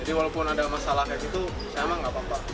jadi walaupun ada masalah kayak gitu saya emang gak apa apa